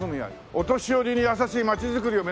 「お年寄りに優しい街づくりを目指して」。